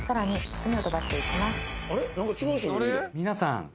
皆さん。